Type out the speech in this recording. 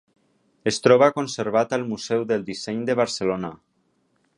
Es troba conservat al Museu del Disseny de Barcelona.